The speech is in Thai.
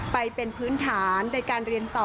ไปเป็นพื้นฐานในการเรียนต่อ